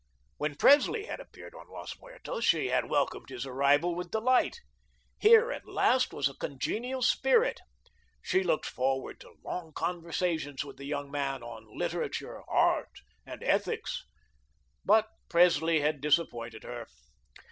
When Presley had appeared on Los Muertos, she had welcomed his arrival with delight. Here at last was a congenial spirit. She looked forward to long conversations with the young man on literature, art, and ethics. But Presley had disappointed her.